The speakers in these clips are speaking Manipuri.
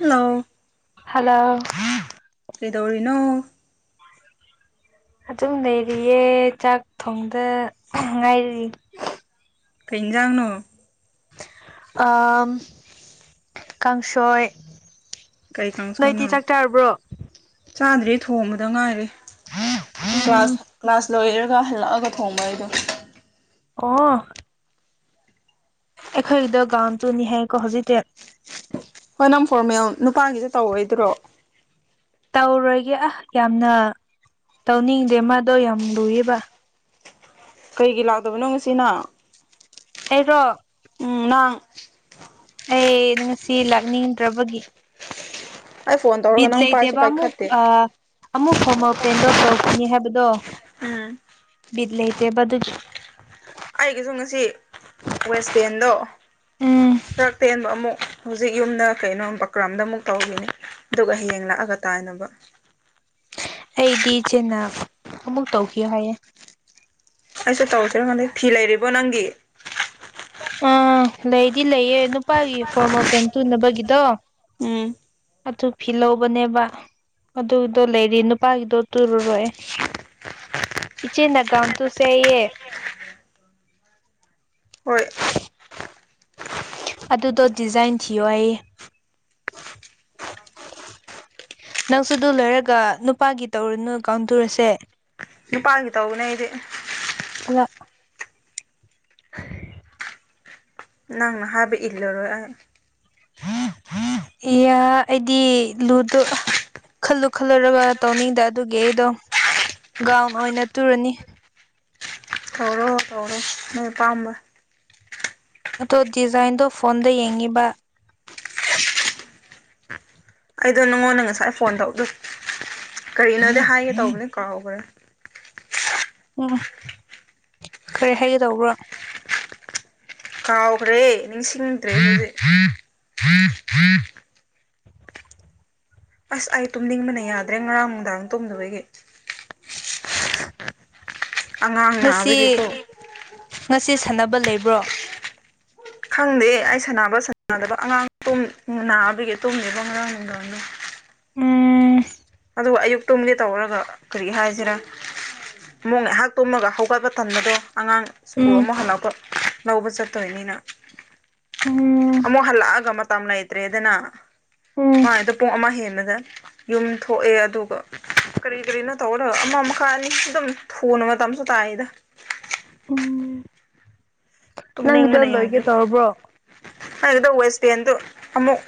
ꯍꯜꯂꯣ ꯍꯜꯂꯣ ꯀꯩꯗꯧꯔꯤꯅꯣ ꯑꯗꯨꯝ ꯂꯩꯔꯤꯌꯦ ꯆꯥꯛ ꯊꯣꯡꯗ ꯉꯥꯏꯔꯤ ꯀꯩ ꯏꯟꯖꯥꯡꯅꯣ ꯑꯥꯝ ꯀꯥꯡꯁꯣꯏ ꯀꯩ ꯅꯣꯏꯗꯤ ꯀꯥꯡꯁꯣꯏꯅꯣ ꯆꯥꯛ ꯆꯥꯔꯕ꯭ꯔꯣ ꯆꯥꯗ꯭ꯔꯤ ꯊꯣꯡꯕꯗ ꯉꯥꯏꯔꯤ ꯎꯝ ꯀ꯭ꯂꯥꯁ ꯀ꯭ꯂꯥꯁ ꯂꯣꯏꯔꯒ ꯍꯜꯂꯑꯒ ꯊꯣꯡꯕ ꯑꯩꯗꯣ ꯑꯣ ꯑꯩꯈꯣꯏꯒꯤꯗꯣ ꯒꯥꯎꯟ ꯇꯨꯅꯤ ꯍꯥꯏꯌꯦꯀꯣ ꯍꯧꯖꯤꯛꯇꯤ ꯍꯣꯏ ꯅꯪ ꯐꯣꯔꯃꯦꯜ ꯅꯨꯄꯥꯒꯤꯗꯣ ꯇꯧꯔꯣꯏꯗ꯭ꯔꯣ ꯇꯧꯔꯣꯏꯒꯦ ꯑꯥ ꯌꯥꯝꯅ ꯇꯧꯅꯤꯡꯗꯦ ꯃꯥꯗꯣ ꯌꯥꯝ ꯂꯨꯌꯦꯕ ꯀꯩꯒꯤ ꯂꯥꯛꯇꯕꯅꯣ ꯉꯁꯤ ꯅꯪ ꯑꯩꯔꯣ ꯎꯝ ꯅꯪ ꯑꯩ ꯉꯁꯤ ꯂꯥꯛꯅꯤꯡꯗ꯭ꯔꯕꯒꯤ ꯑꯩ ꯐꯣꯟ ꯇꯧꯔꯒ ꯕꯤꯠ ꯅꯪ ꯄꯥꯏꯁꯨ ꯂꯩꯇꯦꯕ ꯑꯃꯨꯛ ꯄꯥꯏꯈꯠꯇꯦ ꯑꯥ ꯑꯃꯨꯛ ꯐꯣꯔꯃꯜ ꯄꯦꯟꯗꯣ ꯇꯧꯈꯤꯅꯤ ꯍꯥꯏꯕꯗꯣ ꯎꯝ ꯕꯤꯠ ꯂꯩꯇꯦꯕ ꯗꯨꯒꯤ ꯑꯩꯒꯤꯖꯨ ꯉꯁꯤ ꯋꯦꯁ ꯄꯦꯟꯗꯣ ꯎꯝ ꯈꯔ ꯇꯦꯟꯕ ꯑꯃꯨꯛ ꯍꯧꯖꯤꯛ ꯌꯨꯝꯗ ꯀꯩꯅꯣ ꯕꯀ꯭ꯔꯥꯝꯗ ꯑꯃꯨꯛ ꯇꯧꯒꯤꯅꯤ ꯑꯗꯨꯒ ꯍꯌꯦꯡ ꯂꯥꯛꯑꯒ ꯇꯥꯏꯅꯕ ꯑꯩꯗꯤ ꯏꯆꯦꯅꯥ ꯑꯃꯨꯛ ꯇꯧꯈꯤꯌꯣ ꯍꯥꯏꯌꯦ ꯑꯩꯁꯨ ꯇꯧꯁꯤꯔꯥ ꯈꯪꯗꯦ ꯐꯤ ꯂꯩꯔꯤꯕꯣ ꯅꯪꯒꯤ ꯑꯥ ꯂꯩꯗꯤ ꯂꯩꯌꯦ ꯅꯨꯄꯥꯒꯤ ꯐꯣꯔꯃꯦꯜ ꯄꯦꯟ ꯇꯨꯅꯕꯒꯤꯗꯣ ꯎꯝ ꯑꯗꯨ ꯐꯤ ꯂꯧꯕꯅꯦꯕ ꯑꯗꯨꯗꯣ ꯂꯩꯔꯤ ꯅꯨꯄꯥꯒꯤꯗꯣ ꯇꯨꯔꯨꯔꯣꯏꯑꯦ ꯏꯆꯦꯅ ꯒꯥꯎꯟ ꯇꯨꯁꯦꯌꯦ ꯍꯣꯏ ꯑꯗꯨꯗꯣ ꯗꯤꯖꯥꯏꯟ ꯊꯤꯌꯣ ꯍꯥꯏꯌꯦ ꯅꯪꯁꯨ ꯑꯗꯨ ꯂꯣꯏꯔꯒ ꯅꯨꯄꯥꯒꯤ ꯇꯧꯔꯨꯅꯨ ꯒꯥꯎꯟ ꯇꯨꯔꯁꯦ ꯅꯨꯄꯥꯒꯤ ꯇꯧꯕꯅꯦ ꯑꯩꯗꯤ [unintelligible] [inaudible] ꯅꯪꯅ ꯍꯥꯏꯕ ꯏꯜꯂꯔꯣꯏ ꯑꯩ [inaudible] ꯏꯌꯥ ꯑꯩꯗꯤ ꯂꯨꯗꯣ ꯈꯜꯂꯨ ꯈꯜꯂꯨꯔꯒ ꯇꯧꯅꯤꯡꯗꯦ ꯑꯗꯨꯒꯤ ꯑꯩꯗꯣ ꯒꯥꯎꯟ ꯑꯣꯏꯅ ꯇꯨꯔꯅꯤ ꯇꯧꯔꯣ ꯇꯧꯔꯣ ꯅꯣꯏ ꯑꯄꯥꯝꯕ ꯑꯗꯣ ꯗꯤꯖꯥꯏꯟꯗꯣ ꯐꯣꯟꯗ ꯌꯦꯡꯉꯤꯕ ꯑꯩꯗꯣ ꯅꯪꯉꯣꯟꯗ ꯉꯁꯥꯏ ꯐꯣꯟ ꯇꯧꯕꯗꯨ ꯀꯔꯤꯅꯣꯗꯤ ꯍꯥꯏꯒꯦ ꯇꯧꯕꯅꯦ ꯀꯥꯎꯒ꯭ꯔꯦ ꯎꯝ ꯀꯔꯤ ꯍꯥꯏꯒꯦꯗꯧꯕ꯭ꯔꯣ ꯀꯥꯎꯈ꯭ꯔꯦ ꯅꯤꯡꯁꯤꯡꯗ꯭ꯔꯦ ꯗꯨꯗꯤ ꯑꯁ ꯑꯩ ꯇꯨꯝꯅꯤꯡꯕꯅ ꯌꯥꯗ꯭ꯔꯦ ꯉꯔꯥꯡ ꯅꯨꯡꯗꯥꯡ ꯇꯨꯝꯗꯕꯒꯤ ꯑꯉꯥꯡ ꯉꯁꯤ ꯅꯥꯕꯒꯤꯀꯣ ꯉꯁꯤ ꯁꯥꯟꯅꯕ ꯂꯩꯕ꯭ꯔꯣ ꯈꯪꯗꯦ ꯑꯩ ꯁꯥꯟꯅꯕ ꯁꯥꯟꯅꯗꯕ ꯑꯉꯥꯡ ꯇꯨꯝ ꯅꯥꯕꯒꯤ ꯇꯨꯝꯗꯕ ꯉꯔꯥꯡ ꯅꯨꯡꯗꯥꯡꯗꯣ ꯎꯝ ꯑꯗꯨꯒ ꯑꯌꯨꯛꯇꯨꯝꯒꯦ ꯇꯧꯔꯒ ꯀꯔꯤ ꯍꯥꯏꯁꯤꯔꯥ ꯃꯨꯛ ꯉꯥꯏꯍꯥꯛ ꯇꯨꯝꯃꯒ ꯍꯧꯒꯠꯄ ꯇꯟꯕꯗꯣ ꯑꯉꯥꯡ ꯁ꯭ꯀꯨꯜ ꯎꯝ ꯑꯃꯨꯛ ꯍꯜꯂꯛꯄ ꯂꯧꯕ ꯆꯠꯇꯣꯏꯅꯤꯅ ꯎꯝ ꯑꯃꯨꯛ ꯍꯜꯂꯛꯑꯒ ꯃꯇꯝ ꯂꯩꯇ꯭ꯔꯦꯗꯅ ꯎꯝ ꯃꯥꯏꯗꯣ ꯄꯨꯡ ꯑꯃ ꯍꯦꯟꯕꯗ ꯌꯨꯝ ꯊꯣꯛꯑꯦ ꯑꯗꯨꯒ ꯀꯔꯤ ꯀꯔꯤꯅꯣ ꯇꯧꯒꯗꯕ ꯑꯃ ꯃꯈꯥ ꯑꯅꯤ ꯑꯗꯨꯝ ꯊꯨꯅ ꯃꯇꯝꯁꯨ ꯇꯥꯏꯌꯦꯗ ꯎꯝ ꯅꯪꯒꯤꯗꯣ ꯂꯣꯏꯒꯦ ꯇꯧꯔꯕ꯭ꯔꯣ [unintelligible] ꯋꯦꯁꯄꯦꯟꯗꯣ ꯑꯃꯨꯛ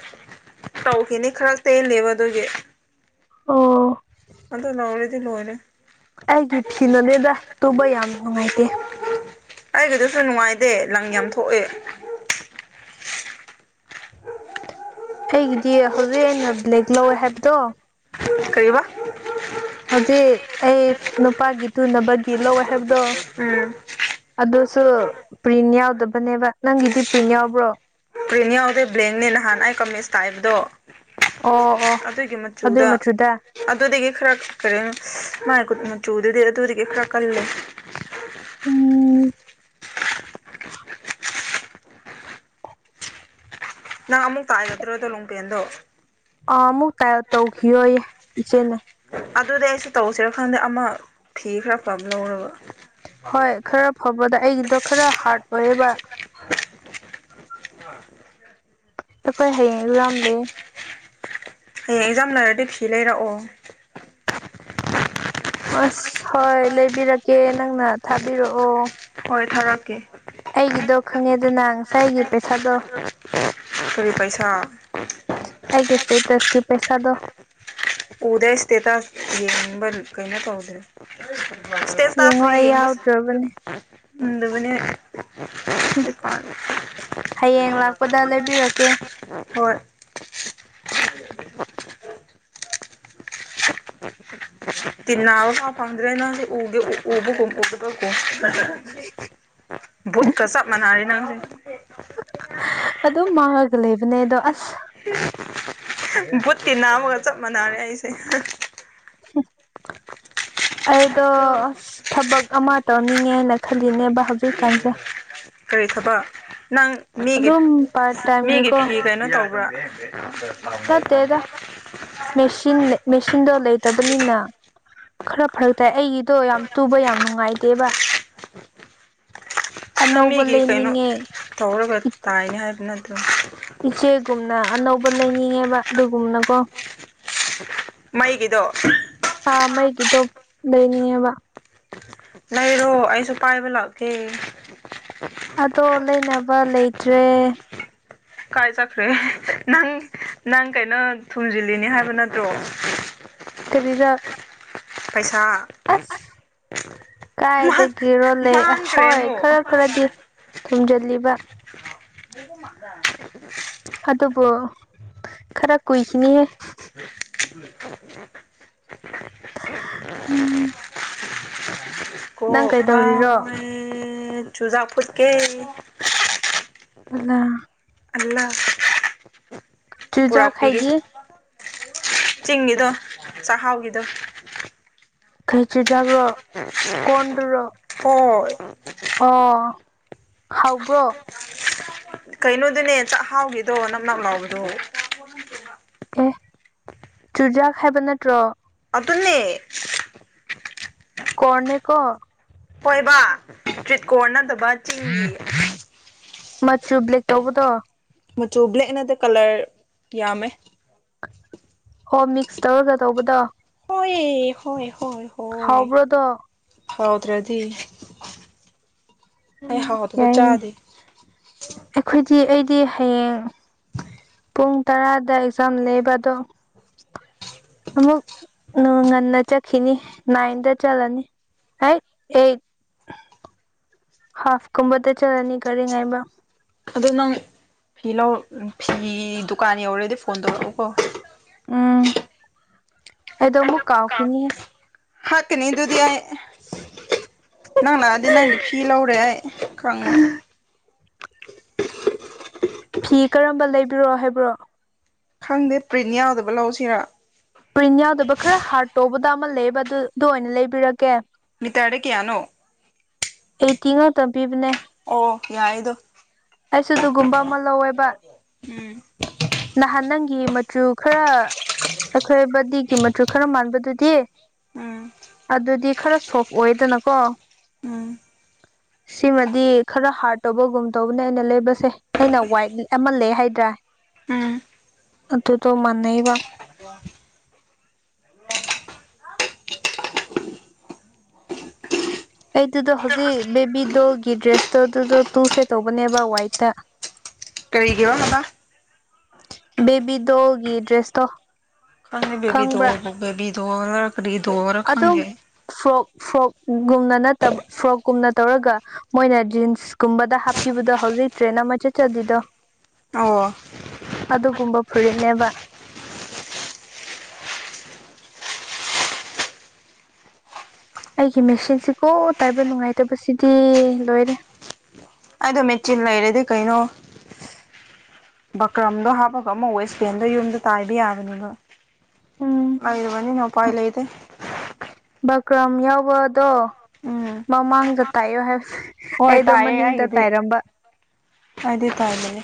ꯇꯧꯈꯤꯅꯤ ꯈꯔ ꯇꯦꯟꯂꯤꯕ ꯑꯗꯨꯒꯤ ꯑꯣ ꯑꯗꯨ ꯂꯣꯏꯔꯗꯤ ꯂꯣꯏꯔꯦ ꯑꯩꯒꯤ ꯐꯤꯅꯅꯦꯗ ꯇꯨꯕ ꯌꯥꯝ ꯅꯨꯡꯉꯥꯏꯇꯦ ꯑꯩꯗꯨꯁꯨ ꯅꯨꯡꯉꯥꯏꯇꯦ ꯂꯪ ꯌꯥꯝ ꯊꯣꯛꯑꯦ ꯑꯩꯒꯤꯗꯤ ꯍꯧꯖꯤꯛ ꯑꯩꯅ ꯕ꯭ꯂꯦꯛ ꯂꯧꯋꯦ ꯍꯥꯏꯕꯗꯣ ꯀꯔꯤꯕ ꯍꯧꯖꯤꯛ ꯑꯩ ꯅꯨꯄꯥꯒꯤ ꯇꯨꯅꯕꯒꯤ ꯂꯧꯋꯦ ꯍꯥꯏꯕꯗꯣ ꯎꯝ ꯑꯗꯨꯁꯨ ꯄ꯭ꯔꯤꯟ ꯌꯥꯎꯗꯕꯅꯦꯕ ꯅꯪꯒꯤꯗꯤ ꯄ꯭ꯔꯤꯟ ꯌꯥꯎꯕ꯭ꯔꯣ ꯄ꯭ꯔꯤꯟ ꯌꯥꯎꯗꯦ ꯕ꯭ꯂꯦꯡꯅꯦ ꯅꯍꯥꯟ ꯑꯩ [unintelligible] ꯀꯥꯏꯕꯗꯣ ꯑꯣ ꯑꯣ ꯑꯗꯨꯒꯤ ꯃꯆꯨꯗ ꯑꯗꯨꯗꯒꯤ ꯈꯔ ꯃꯥꯏ ꯃꯆꯨꯗꯨꯗꯤ ꯑꯗꯨꯗꯒꯤ ꯈꯔ ꯀꯜꯂꯦ ꯎꯝ ꯅꯪ ꯑꯃꯨꯛ ꯇꯥꯏꯒꯗ꯭ꯔꯣ ꯗꯣ ꯂꯣꯡ ꯄꯦꯟꯗꯣ ꯑꯥ ꯑꯃꯨꯛ ꯇꯥꯏ ꯇꯧꯈꯤꯔꯣꯏ ꯏꯆꯦꯅ ꯑꯗꯨꯗꯤ ꯑꯩꯁꯨ ꯇꯧꯁꯤꯔ ꯈꯪꯗꯦ ꯑꯃ ꯐꯤ ꯈꯔ ꯐꯕ ꯂꯧꯔꯒ ꯍꯣꯏ ꯈꯔ ꯐꯕꯗ ꯑꯩꯒꯤꯗꯣ ꯈꯔ ꯍꯥꯔꯠ ꯑꯣꯏꯌꯦꯕ ꯑꯥ [unintelligible] ꯑꯈꯣꯏ ꯍꯌꯦꯡ ꯑꯦꯛꯖꯥꯝ ꯂꯩꯌꯦ ꯍꯌꯦꯡ ꯑꯦꯛꯖꯥꯝ ꯂꯩꯔꯗꯤ ꯐꯤ ꯂꯩꯔꯛꯑꯣ ꯑꯁ ꯍꯣꯏ ꯂꯩꯕꯤꯔꯛꯀꯦ ꯅꯪꯅ ꯊꯥꯕꯤꯔꯛꯑꯣ ꯍꯣꯏ ꯊꯥꯔꯛꯀꯦ ꯑꯩꯒꯤꯗꯣ ꯈꯪꯉꯦꯗꯅ ꯉꯁꯥꯏꯒꯤ ꯄꯩꯁꯥꯗꯣ ꯀꯔꯤ ꯄꯩꯁꯥ ꯑꯩꯒꯤ ꯁ꯭ꯇꯦꯇꯁꯀꯤ ꯄꯩꯁꯥꯗꯣ ꯎꯗꯦ ꯁ꯭ꯇꯦꯇꯁ ꯌꯦꯡꯅꯤꯡꯕ ꯀꯩꯅꯣ ꯇꯧꯗ꯭ꯔꯦ ꯌꯦꯡꯉꯣ ꯑꯩ ꯌꯥꯎꯗ꯭ꯔꯕꯅꯦ ꯎꯝꯗꯕꯅꯦ ꯍꯝ ꯍꯌꯦꯡ ꯂꯥꯛꯄꯗ ꯂꯩꯕꯤꯔꯛꯀꯦ ꯍꯣꯏ ꯇꯤꯅꯥꯕꯐꯥꯎ ꯐꯪꯗ꯭ꯔꯦ ꯅꯪꯗꯤ ꯎꯒꯦ ꯎ ꯎꯕꯒꯨꯝ ꯎꯗꯕꯒꯨꯝ ꯍꯥ ꯍꯥ ꯍꯥ ꯚꯨꯠꯀ ꯆꯞ ꯃꯥꯅꯔꯦ ꯅꯪꯁꯦ [unintelligible] ꯑꯗꯨꯝ ꯃꯥꯡꯉꯒ ꯂꯩꯕꯅꯦ ꯑꯗꯣ ꯑꯁ ꯕꯨꯠ ꯇꯤꯟꯅꯃꯒ ꯆꯞ ꯃꯥꯟꯅꯔꯦ ꯑꯩꯁꯦ ꯍꯥ ꯍꯝ ꯑꯩꯗꯣ ꯑꯁ ꯊꯕꯛ ꯑꯃ ꯇꯧꯅꯤꯡꯉꯦꯅ ꯈꯜꯂꯤꯅꯦꯕ ꯍꯧꯖꯤꯛꯀꯥꯟꯁꯦ ꯀꯔꯤ ꯊꯕꯛ ꯅꯪ ꯃꯤꯒꯤ ꯑꯗꯨꯝ ꯄꯥꯔꯠ ꯃꯤꯒꯤ ꯇꯥꯏꯝꯒꯤꯀꯣ ꯐꯤ ꯀꯩꯅꯣ ꯇꯧꯕ꯭ꯔꯥ [inaudible] ꯅꯠꯇꯦꯗ ꯃꯦꯁꯤꯟ ꯃꯦꯆꯤꯟꯗꯣ ꯂꯩꯇꯕꯅꯤꯅ ꯈꯔ ꯐꯔꯛ ꯇꯥꯏ ꯑꯩꯒꯤꯗꯣ ꯌꯥꯝ ꯇꯨꯕ ꯌꯥꯝ ꯅꯨꯡꯉꯥꯏꯇꯦꯕ ꯅꯪ ꯑꯅꯧꯕ ꯃꯤꯒꯤ ꯀꯩꯅꯣ ꯂꯩꯅꯤꯡꯉꯦ ꯇꯧꯔꯒ ꯇꯥꯏꯅꯤ ꯍꯥꯏꯕ ꯅꯠꯇ꯭ꯔꯣ ꯏꯆꯦꯒꯨꯝꯅ ꯑꯅꯧꯕ ꯂꯩꯅꯤꯡꯉꯦꯕ ꯑꯗꯨꯒꯨꯝꯅꯀꯣ ꯃꯩꯒꯤꯗꯣ ꯑꯥ ꯃꯩꯀꯤꯗꯣ ꯂꯩꯅꯤꯡꯉꯦꯕ ꯂꯩꯔꯣ ꯑꯩꯁꯨ ꯄꯥꯏꯕ ꯂꯥꯛꯀꯦ ꯑꯗꯣ ꯂꯩꯅꯕ ꯂꯩꯇ꯭ꯔꯦ ꯀꯥꯏ ꯆꯠꯈ꯭ꯔꯦ ꯅꯪ ꯅꯪ ꯀꯩꯅꯣ ꯊꯨꯝꯖꯤꯜꯂꯤꯅꯤ ꯍꯥꯏꯕ ꯅꯠꯇ꯭ꯔꯣ ꯀꯔꯤꯔꯥ ꯄꯩꯁꯥ ꯑꯁ ꯀꯥꯏꯗꯒꯤꯔꯣꯜꯂꯦ ꯑꯥ ꯃꯥꯡꯈ꯭ꯔꯦ ꯍꯣꯏ ꯑꯃꯨꯛ ꯈꯔ ꯈꯔꯗꯤ ꯊꯨꯝꯖꯜꯂꯤꯕ [unintelligible] ꯑꯗꯨꯕꯨ ꯈꯔ ꯀꯨꯏꯈꯤꯅꯤꯍꯦ [unintelligible] [unintelligible] ꯎꯝ ꯅꯪ ꯀꯣꯛ ꯀꯩꯗꯧꯔꯤꯔꯣ ꯉꯥꯎꯔꯦ ꯆꯨꯖꯥꯛ ꯐꯨꯠꯀꯦ ꯑꯂꯥ ꯑꯂꯥ ꯆꯨꯖꯥꯛ ꯄꯨꯔꯥꯛꯄꯤꯒꯦ ꯍꯥꯏꯗꯤ ꯆꯤꯡꯒꯤꯗꯣ ꯆꯍꯥꯎꯒꯤꯗꯣ ꯈꯔꯆꯤ ꯆꯥꯕꯔꯣ ꯍꯣꯢ ꯑꯣ ꯍꯥꯎꯕ꯭ꯔꯣ ꯀꯩꯅꯣꯗꯨꯅꯦ ꯆꯥꯛꯍꯥꯎꯒꯤꯗꯣ ꯅꯞ ꯅꯞ ꯂꯥꯎꯕꯗꯣ ꯑꯦ ꯆꯨꯖꯥꯛ ꯍꯥꯏꯕ ꯅꯠꯇ꯭ꯔꯣ ꯑꯗꯨꯅꯦ ꯀꯣꯔꯣꯟꯅꯦ ꯀꯣ ꯍꯣꯏꯕ ꯇ꯭ꯔꯤꯠꯀꯣꯔꯣꯟ ꯅꯠꯇꯕ ꯆꯤꯡꯒꯤ ꯃꯆꯨ ꯕ꯭ꯂꯦꯛ ꯇꯧꯕꯗꯣ ꯃꯆꯨ ꯕ꯭ꯂꯦꯛ ꯅꯠꯇꯦ ꯀꯥꯂꯔ ꯌꯥꯝꯃꯦ ꯍꯣ ꯃꯤꯛꯁ ꯇꯧꯔꯒ ꯇꯧꯕꯗꯣ ꯍꯣꯏꯌꯦ ꯍꯣꯏ ꯍꯣꯏ ꯍꯣꯏ ꯍꯥꯎꯕ꯭ꯔꯣꯗꯣ ꯍꯥꯎꯗ꯭ꯔꯗꯤ ꯑꯩ ꯍꯥꯎꯗꯕ ꯌꯥꯏꯅꯦ ꯆꯥꯗꯦ ꯑꯩꯈꯣꯏꯗꯤ ꯑꯩꯗꯤ ꯍꯩꯌꯦꯡ ꯄꯨꯡ ꯇꯔꯥꯗ ꯑꯦꯛꯖꯥꯝ ꯂꯩꯕ ꯑꯗꯣ ꯑꯃꯨꯛ ꯉꯟꯅ ꯆꯠꯈꯤꯅꯤ ꯅꯥꯏꯟꯗ ꯆꯠꯂꯅꯤ ꯍꯥꯏꯠ ꯑꯩꯠ ꯍꯥꯐ ꯀꯨꯝꯕꯗ ꯆꯥꯠꯂꯅꯤ ꯒꯥꯔꯤ ꯉꯥꯏꯕ ꯑꯗꯣ ꯅꯪ ꯐꯤ ꯂꯧ ꯐꯤ ꯗꯨꯀꯥꯟ ꯌꯧꯔꯗꯤ ꯐꯣꯟ ꯇꯧꯔꯛꯎꯀꯣ ꯎꯝ ꯑꯩꯗꯣ ꯃꯨꯛ ꯀꯥꯎ ꯈꯤꯅꯤꯍꯦ ꯍꯥꯠꯀꯅꯤꯗꯨꯗꯤ ꯑꯩ ꯅꯪꯂꯛꯑꯗꯤ ꯅꯪꯒꯤ ꯐꯤ ꯂꯧꯔꯦ ꯑꯩ ꯈꯪꯉꯨ ꯐꯤ ꯀꯔꯝꯕ ꯂꯩꯕꯤꯔꯣ ꯍꯥꯏꯕ꯭ꯔꯣ ꯈꯪꯗꯦ ꯄ꯭ꯔꯤꯟ ꯌꯥꯎꯗꯕ ꯂꯧꯖꯤꯔꯥ ꯄ꯭ꯔꯤꯟ ꯌꯥꯎꯗꯕ ꯈꯔ ꯍꯥꯔꯠ ꯇꯧꯕꯗ ꯑꯃ ꯂꯩꯕ ꯑꯗꯨ ꯑꯗꯨ ꯑꯣꯏꯅ ꯂꯩꯕꯤꯔꯛꯀꯦ ꯃꯤꯇꯔꯗ ꯀꯌꯥꯅꯣ ꯑꯦꯠꯇꯤ ꯉꯥꯛꯇ ꯄꯤꯕꯅꯦ ꯑꯣ ꯌꯥꯏꯗꯣ ꯑꯩꯁꯨ ꯑꯗꯨꯒꯨꯝꯕ ꯑꯃ ꯂꯧꯋꯦꯕ ꯎꯝ ꯅꯍꯥꯟ ꯅꯪꯒꯤ ꯃꯆꯨ ꯈꯔ ꯑꯈꯣꯏ ꯕꯗꯤꯒꯤ ꯃꯆꯨ ꯈꯔ ꯃꯥꯟꯕꯗꯨꯗꯤ ꯎꯝ ꯑꯗꯨꯗꯤ ꯈꯔ ꯁꯣꯐ ꯑꯣꯏꯗꯅꯀꯣ [inaudible] ꯁꯤꯃꯗꯤ ꯈꯔ ꯍꯥꯔꯠ ꯇꯧꯕꯒꯨꯝ ꯇꯧꯕꯅꯦ ꯑꯩꯅ ꯂꯩꯕꯁꯦ ꯑꯩꯅ ꯋꯥꯏꯠ ꯑꯃ ꯂꯩ ꯍꯥꯏꯗ꯭ꯔꯥ ꯎꯝ ꯑꯗꯨꯗꯣ ꯃꯟꯅꯩꯕ ꯑꯩꯗꯨꯗꯣ ꯍꯧꯖꯤꯛ ꯕꯦꯕꯤ ꯗꯣꯒꯤ ꯗ꯭ꯔꯦꯁꯇꯣ ꯑꯗꯨꯗꯣ ꯇꯨꯁꯦ ꯇꯧꯕꯅꯦꯕ ꯋꯥꯏꯠꯇ ꯀꯔꯤꯒꯤꯔꯣꯟ ‌ꯑꯥꯕ ꯕꯦꯕꯤꯗꯣꯜꯒꯤ ꯗ꯭ꯔꯦꯁꯇꯣ ꯈꯪꯉꯦ ꯕꯦꯕꯤꯗꯣ ꯈꯪꯕ꯭ꯔꯥ ꯕꯦꯕꯤꯗꯣꯔꯥ ꯀꯔꯤꯗꯣꯔꯥ ꯈꯪꯗꯦ ꯑꯩ ꯐꯣꯔꯣꯛ ꯐꯣꯔꯣꯛꯒꯨꯝꯅ ꯅꯠꯇꯕ ꯐꯣꯔꯣꯛꯀꯨꯝꯅ ꯇꯧꯔꯒ ꯃꯣꯏꯅ ꯖꯤꯟꯁꯀꯨꯝꯕꯗ ꯍꯥꯞꯄꯤꯕꯗꯣ ꯍꯧꯖꯤꯛ ꯇ꯭ꯔꯦꯟ ꯑꯃ ꯆꯠꯆꯔꯤꯗꯣ ꯑꯣ ꯑꯗꯨꯒꯨꯝꯕ ꯐꯨꯔꯤꯠꯅꯦꯕ ꯑꯩꯒꯤ ꯃꯦꯁꯤꯟꯁꯤꯀꯣ ꯇꯥꯏꯕ ꯅꯨꯡꯉꯥꯏꯇꯕꯁꯤꯗꯤ ꯂꯣꯏꯔꯦ ꯑꯗꯣ ꯃꯦꯆꯤꯟ ꯂꯩꯔꯗꯤ ꯀꯩꯅꯣ ꯕꯀ꯭ꯔꯝꯗꯣ ꯍꯥꯞꯄꯒ ꯑꯃꯨꯛ ꯋꯦꯁ ꯕꯦꯟꯗꯣ ꯌꯨꯝꯗ ꯇꯥꯏꯕ ꯌꯥꯕꯅꯦꯕ ꯎꯝ ꯂꯩꯔꯕꯅꯤꯅ ꯎꯄꯥꯏ ꯂꯩꯗꯦ ꯕꯀ꯭ꯔꯝ ꯌꯥꯎꯕꯗꯣ ꯎꯝ ꯃꯃꯥꯡꯗ ꯇꯥꯛꯌꯣ ꯍꯥꯏꯕꯅꯦ ꯍꯣꯏ ꯑꯩꯗꯣ ꯇꯥꯏꯌꯦ ꯃꯅꯤꯡꯗ ꯑꯩꯒꯤꯗꯤ ꯇꯥꯏꯔꯝꯕ ꯑꯩꯗꯤ ꯇꯥꯏꯕꯅꯦ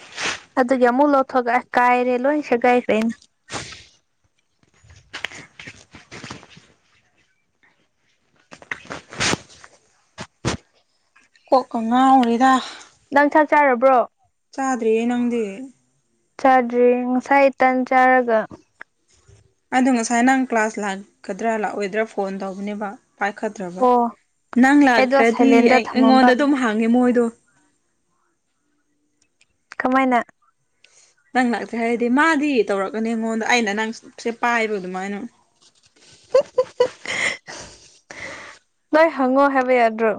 ꯑꯗꯨꯒꯤ ꯑꯃꯨꯛ ꯂꯧꯊꯣꯛꯑꯒꯦ ꯀꯥꯏꯔꯦ ꯂꯣꯏ ꯁꯦꯒꯥꯏꯈ꯭ꯔꯦꯅꯦ ꯀꯣꯛꯀꯥ ꯉꯥꯎꯔꯤꯗ ꯅꯪ ꯆꯥꯛ ꯆꯥꯔꯕ꯭ꯔꯣ ꯆꯥꯗ꯭ꯔꯤꯌꯦ ꯅꯪꯗꯤ ꯆꯥꯗ꯭ꯔꯤ ꯉꯁꯥꯏ ꯇꯟ ꯆꯥꯔꯒ ꯑꯗꯨ ꯉꯁꯥꯏ ꯅꯪ ꯀ꯭ꯂꯥꯁ ꯂꯥꯛꯀꯗ꯭ꯔꯥ ꯂꯥꯛꯑꯣꯏꯗ꯭ꯔꯥ ꯐꯣꯟ ꯇꯧꯕꯅꯦꯕ ꯄꯥꯏꯈꯠꯇ꯭ꯔꯕ ꯑꯣ ꯅꯪ ꯑꯩꯗꯣ ꯂꯥꯛꯇꯔ꯭ꯗꯤ ꯁꯥꯏꯂꯦꯟꯗ ꯑꯩ ꯑꯩꯉꯣꯟꯗ ꯊꯝꯃꯝꯕ ꯑꯗꯨꯝ ꯍꯪꯉꯦ ꯃꯣꯏꯗꯣ ꯀꯃꯥꯏꯅ ꯅꯪ ꯂꯥꯛꯇꯔꯦ ꯍꯥꯏꯔꯗꯤ ꯃꯥꯗꯤ ꯇꯧꯔꯛꯀꯅꯤ ꯑꯩꯉꯣꯟꯗ ꯑꯩꯅ ꯅꯪꯁꯦ ꯄꯥꯏꯕ ꯗꯨꯃꯥꯏꯅ ꯅꯣꯏ ꯍꯪꯉꯣ ꯍꯥꯏꯕ ꯌꯥꯗ꯭ꯔꯣ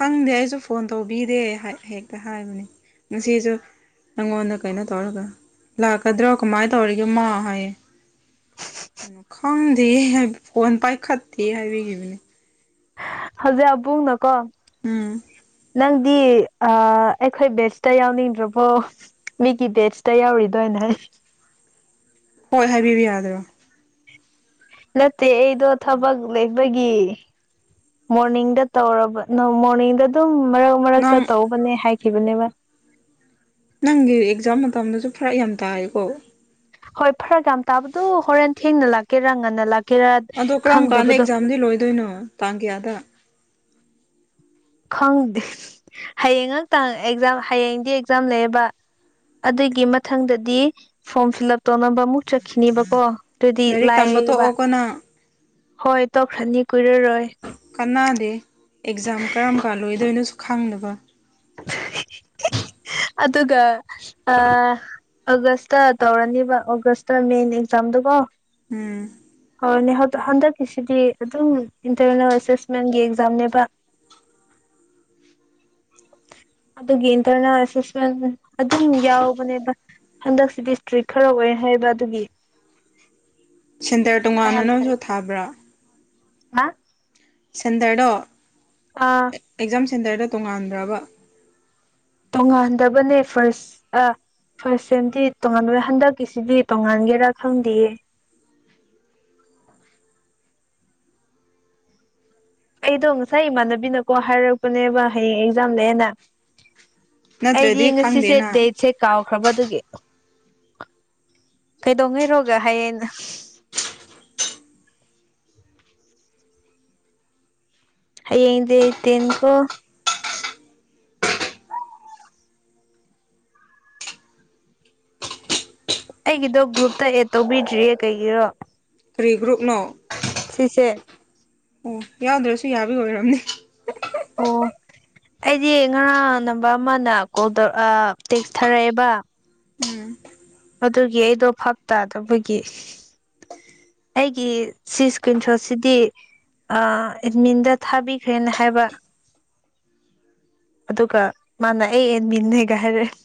ꯈꯪꯗꯦ ꯑꯩꯖꯨ ꯐꯣꯟ ꯇꯧꯕꯤꯗꯦ ꯍꯥꯏ ꯍꯦꯛꯇ ꯍꯥꯏꯕꯅꯦ ꯉꯁꯤꯖꯨ ꯑꯩꯉꯣꯟꯗ ꯀꯩꯅꯣ ꯇꯧꯔꯒ ꯂꯥꯛꯀꯗ꯭ꯔꯣ ꯀꯃꯥꯏ ꯇꯧꯔꯤꯒꯦ ꯃꯥ ꯍꯥꯏꯌꯦ ꯈꯪꯗꯤꯌꯦ ꯐꯣꯟ ꯄꯥꯏꯈꯠꯇꯦ ꯍꯥꯏꯕꯤꯒꯤꯕꯅꯦ ꯍꯧꯖꯤꯛ ꯑꯕꯨꯡꯅꯀꯣ ꯎꯝ ꯅꯪꯗꯤ ꯑꯥ ꯑꯩꯈꯣꯏ ꯕꯦꯁꯇ ꯌꯥꯎꯅꯤꯡꯗ꯭ꯔꯕꯣ ꯃꯤꯒꯤ ꯕꯦꯁꯇ ꯌꯥꯎꯔꯤꯗꯣꯏ ꯅꯦꯍꯦ ꯍꯣꯏ ꯍꯥꯏꯕꯤꯕ ꯌꯥꯗꯔꯣ ꯅꯠꯇꯦ ꯑꯩꯗꯣ ꯊꯕꯛ ꯂꯩꯕꯒꯤ ꯃꯣꯔꯅꯤꯡꯗ ꯇꯧꯔꯕ ꯅꯃꯣꯔꯅꯤꯡꯗ ꯑꯗꯨꯝ ꯃꯔꯛ ꯃꯔꯛꯇ ꯅꯪ ꯇꯧꯕꯅꯦ ꯍꯥꯏꯈꯤꯕꯅꯦꯕ ꯅꯪꯒꯤ ꯑꯦꯛꯖꯥꯝ ꯃꯇꯝꯗꯁꯨ ꯐꯔꯛ ꯌꯥꯝ ꯇꯥꯏꯌꯦꯀꯣ ꯍꯣꯏ ꯐꯔꯛ ꯌꯥꯝ ꯇꯥꯕꯗꯨ ꯍꯣꯔꯦꯟ ꯊꯦꯡꯅ ꯂꯥꯛꯀꯦꯔꯥ ꯉꯟꯅ ꯂꯥꯛꯀꯦꯔꯥ ꯑꯗꯣ ꯀꯔꯝ ꯀꯥꯟꯗ ꯈꯪꯗꯕꯗꯣ ꯑꯦꯛꯖꯥꯝꯗꯤ ꯂꯣꯏꯗꯣꯏꯅꯣ ꯇꯥꯡ ꯀꯌꯥꯗ ꯈꯪꯗꯦ ꯍꯌꯦꯡ ꯉꯥꯇꯪ ꯑꯦꯛꯖꯥꯝ ꯍꯌꯦꯡꯗꯤ ꯑꯦꯛꯖꯥꯝ ꯂꯩꯌꯦꯕ ꯑꯗꯨꯒꯤ ꯃꯊꯪꯗꯗꯤ ꯐꯣꯝ ꯐꯤꯜꯂꯞ ꯇꯣꯅꯕ ꯑꯃꯨꯛ ꯆꯠꯈꯤꯅꯤꯕꯀꯣ ꯗꯨꯗꯤ ꯂꯥꯏꯌꯦꯕ ꯀꯅꯥ ꯍꯣꯏ ꯇꯣꯛꯈ꯭ꯔꯅꯤ ꯀꯨꯏꯔꯔꯣꯏ ꯀꯥꯟꯅꯗꯦ ꯑꯦꯛꯖꯥꯝ ꯀꯔꯝ ꯀꯥꯟ ꯂꯣꯏꯗꯣꯏꯅꯣꯁꯨ ꯈꯪꯗꯕ [inaudible] ꯑꯗꯨꯒ ꯑꯥ ꯑꯥꯒꯁꯇ ꯇꯧꯔꯅꯤꯕ ꯑꯣꯒꯁꯇ ꯃꯦꯟ ꯑꯦꯛꯖꯥꯝꯗꯨꯀꯣ ꯎꯝ ꯍꯧꯔꯅꯤ ꯍꯛ ꯍꯟꯗꯛꯀꯤꯁꯤꯗꯤ ꯑꯗꯨꯝ ꯏꯟꯇꯔꯅꯦꯜ ꯑꯦꯁꯦꯁꯃꯦꯟꯒꯤ ꯑꯦꯛꯖꯥꯝꯅꯦꯕ ꯑꯗꯨꯒꯤ ꯏꯟꯇꯔꯅꯦꯜ ꯑꯦꯁꯦꯁꯃꯦꯟ ꯑꯗꯨꯝ ꯌꯥꯎꯕꯅꯦꯕ ꯍꯟꯗꯛꯁꯤꯗꯤ ꯏꯁꯇ꯭ꯔꯤꯛ ꯈꯔ ꯑꯣꯏ ꯍꯥꯏꯌꯦꯕ ꯑꯗꯨꯒꯤ [inaudible] ꯃꯊꯥ ꯇꯣꯉꯥꯟꯅ ꯌꯥꯝ ꯅꯣꯏꯁꯨ ꯁꯥꯏꯌꯦ ꯊꯥꯕ꯭ꯔꯥ ꯍꯥ ꯁꯦꯟꯗꯔ ꯗꯣ ꯑꯥ ꯑꯦꯛꯖꯥꯝ ꯁꯦꯟꯇꯔꯗ ꯇꯣꯡꯉꯥꯟꯕꯔ꯭ꯕ ꯇꯣꯡꯉꯥꯟꯗꯕꯅꯦ ꯐꯔꯁ ꯑꯥ ꯐꯔꯁ ꯁꯦꯝꯗꯤ ꯇꯣꯉꯥꯟꯕ ꯍꯟꯗꯛꯀꯤꯁꯤꯗꯤ ꯇꯣꯡꯉꯥꯟꯒꯦꯔꯥ ꯈꯪꯗꯤꯌꯦ ꯑꯩꯗꯣ ꯉꯁꯥꯏ ꯏꯃꯥꯟꯅꯕꯤꯅꯀꯣ ꯍꯥꯏꯔꯛꯄꯅꯦꯕ ꯍꯌꯦꯡ ꯑꯦꯛꯖꯥꯝ ꯂꯩꯌꯦꯅ ꯑꯩꯗꯤ ꯅꯠꯇ꯭ꯔꯗꯤ ꯉꯁꯤꯁꯦ ꯈꯪꯗꯦꯅ ꯗꯦꯠꯁꯦ ꯀꯥꯎꯈ꯭ꯔꯕ ꯑꯗꯨꯒꯤ ꯀꯩꯗꯧꯉꯩꯔꯣꯒ ꯍꯥꯏꯌꯦꯅ ꯍꯌꯦꯡꯗꯤ ꯇꯦꯟ ꯀꯣ ꯑꯩꯒꯤꯗꯣ ꯒ꯭ꯔꯨꯞꯇ ꯑꯦꯠ ꯇꯧꯕꯤꯗ꯭ꯔꯤꯌꯦ ꯀꯩꯒꯤꯔꯣ ꯀꯔꯤ ꯒ꯭ꯔꯨꯞ ꯅꯣ ꯁꯤꯁꯦ ꯑꯣ ꯌꯥꯎꯗ꯭ꯔꯁꯨ ꯌꯥꯕꯤ ꯑꯣꯏꯔꯝꯅꯤ ꯑꯣ ꯑꯩꯗꯤ ꯉꯔꯥꯡ ꯅꯝꯕꯔ ꯑꯃꯅ ꯀꯣꯜ ꯇꯧꯔ ꯑꯥ ꯇꯦꯛꯁ ꯊꯥꯔꯛꯑꯦꯕ ꯎꯝ ꯑꯗꯨꯒꯤ ꯑꯩꯗꯣ ꯕꯥꯞ ꯇꯥꯗꯕꯒꯤ ꯑꯩꯒꯤ ꯁꯤ ꯏꯁꯀ꯭ꯔꯤꯟ ꯁꯣꯠꯁꯤꯗꯤ ꯑ ꯑꯦꯗꯃꯤꯟꯗ ꯊꯥꯕꯤꯈ꯭ꯔꯦꯅ ꯍꯥꯏꯕ ꯑꯗꯨꯒ ꯃꯥꯅ ꯑꯩ ꯑꯦꯃꯤꯟꯅꯦꯒ ꯍꯥꯏꯔꯛꯑꯦ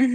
ꯎꯝ